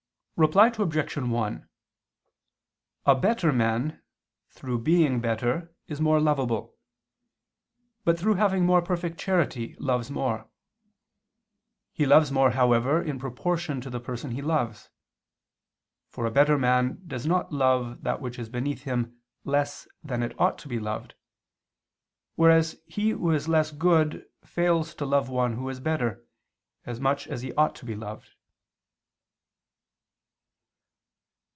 Reply Obj. 1: A better man, through being better, is more lovable; but through having more perfect charity, loves more. He loves more, however, in proportion to the person he loves. For a better man does not love that which is beneath him less than it ought to be loved: whereas he who is less good fails to love one who is better, as much as he ought to be loved.